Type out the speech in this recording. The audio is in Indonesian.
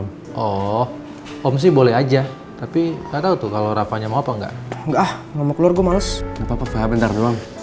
emosi boleh aja tapi kalau kalau r visuals gospelases